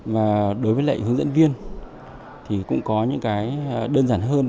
và đối với lại hướng dẫn viên thì cũng có những cái đơn giản hơn